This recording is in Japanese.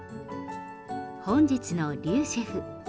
本日の竜シェフ。